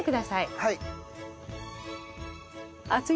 はい。